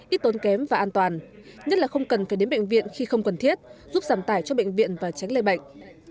ít tốn kém và an toàn nhất là không cần phải đến bệnh viện khi không cần thiết giúp giảm tải cho bệnh viện và tránh lây bệnh